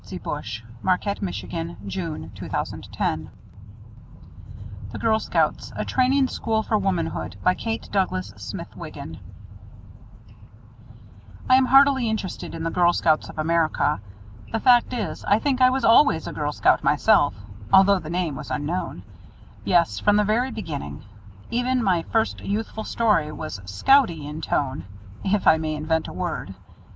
11 GIRL SCOUTS NATIONAL HEADQUARTERS 189 Lexington Avenue New York City A Training School for Womanhood By Kate Douglas Wiggin I am heartily interested in the Girl Scouts of America. The fact is, I think I was always a Girl Scout myself (although the name was unknown); yes, from the very beginning. Even my first youthful story was "scouty" in tone, if I may invent a word.